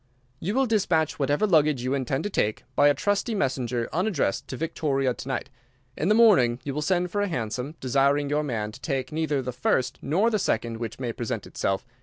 You will dispatch whatever luggage you intend to take by a trusty messenger unaddressed to Victoria to night. In the morning you will send for a hansom, desiring your man to take neither the first nor the second which may present itself.